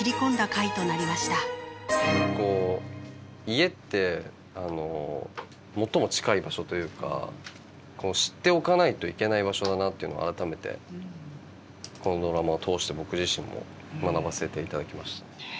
家って最も近い場所というか知っておかないといけない場所だなっていうのは改めてこのドラマを通して僕自身も学ばせていただきました。